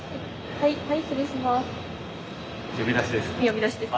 はい失礼します。